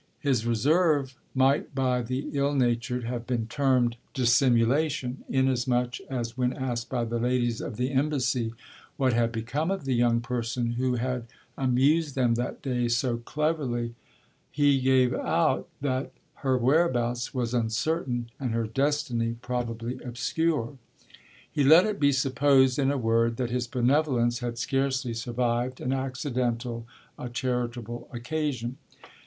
His reserve might by the ill natured have been termed dissimulation, inasmuch as when asked by the ladies of the embassy what had become of the young person who had amused them that day so cleverly he gave it out that her whereabouts was uncertain and her destiny probably obscure; he let it be supposed in a word that his benevolence had scarcely survived an accidental, a charitable occasion.